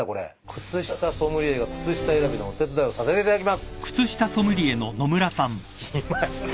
「靴下ソムリエが靴下選びのお手伝いをさせていただきます」来ました。